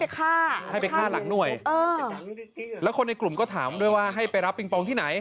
คลิปนี้ถ่ายคลิปนี้